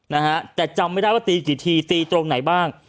นะฮะแต่จำไม่ได้ว่าตีกี่ทีตีตรงไหนบ้าง